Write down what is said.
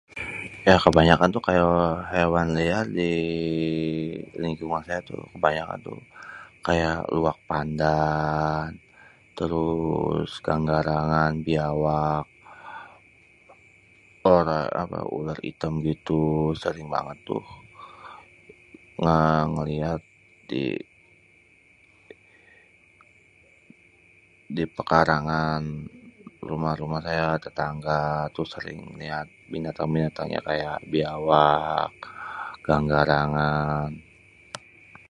Yah kêbanyakan tuh kaya hewan liar di lingkungan saya tuh kebanyakan tuh kaya luwak panda, terus ganggarangan, biawak, ulér itém gitu sering banget tuh, aaa ngêliat di, di pékarangan rumah-rumah kaya tetangga terus sering liat binatang-binatang ya kaya biawak, ganggarangan.